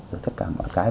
rồi tất cả mọi cái